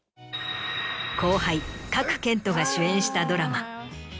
後輩賀来賢人が主演したドラマ。